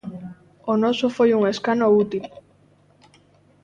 O noso foi un escano útil.